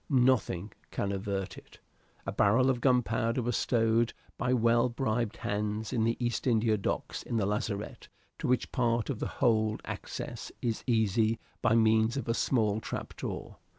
Nothing can avert it. A barrel of gunpowder was stowed by well bribed hands in the East India Docks in the lazarette, to which part of the hold access is easy by means of a small trap door.